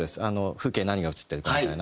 風景何が映ってるかみたいな。